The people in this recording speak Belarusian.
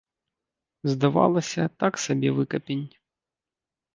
Здавалася, так сабе выкапень.